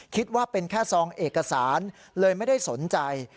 คิดว่าเป็นแค่ซองเอกสารเลยไม่ได้สนใจ